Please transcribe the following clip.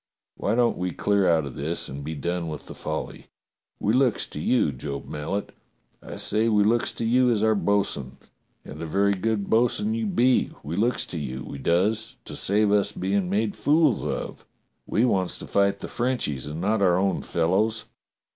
Why don't we clear out of this and be done with the folly .^^ We looks to you, Job Mallet, I say we looks to you as our bo'sun, and a very good bo'sun you be, we looks to you, we does, to save us bein' made fools of. We wants to fight the Frenchies and not our own fellows.